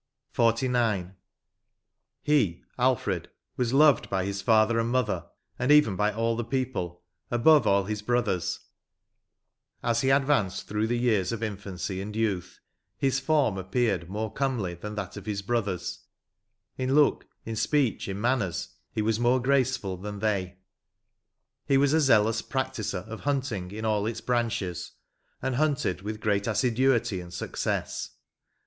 98 xux. "He (Alfred) was loved by his father and mo ther, and even by all the people, above all his brothers As he advanced through the years of infancy and youth, his form appeared more comely than that of his brothers ; in look, in speech, in manners, he was more gracefril than they. .... He. was a zealous practiser qf hunting in all its branches, and hunted with great assiduity and success."